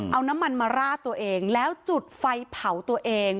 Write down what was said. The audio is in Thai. เอาน้ำมันมาราดตัวเองแล้วจุดไฟเผาตัวเอง